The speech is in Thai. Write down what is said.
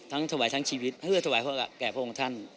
ทั้งถวายทั้งชีวิตเพื่อถวายเพราะแก่พวกคุณท่าน